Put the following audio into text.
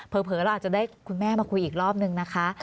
เผลอเราอาจจะได้คุณแม่มาคุยอีกรอบนึงนะคะ